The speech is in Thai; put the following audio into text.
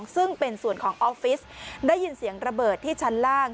ซึ่งเป็นส่วนของออฟฟิศได้ยินเสียงระเบิดที่ชั้นล่าง